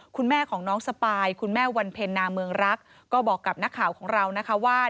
คุณแม่ของน้องสปายคุณแม่วันเพ็ญนาเมืองรักก็บอกกับนักข่าวของเรานะคะว่า